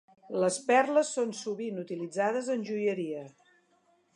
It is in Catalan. Les perles són sovint utilitzades en joieria.